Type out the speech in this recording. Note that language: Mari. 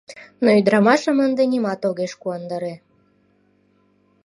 Но ӱдрамашым ынде нимат огеш куандаре.